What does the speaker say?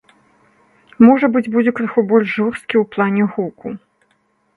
Можа быць, будзе крыху больш жорсткі ў плане гуку.